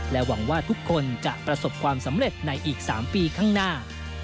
หวังว่าทุกคนจะประสบความสำเร็จในอีก๓ปีข้างหน้า